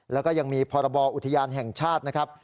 แล้วก็ยังมีพรบอุทยานแห่งชาตินะครับ